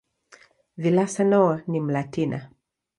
Villaseñor ni "Mlatina".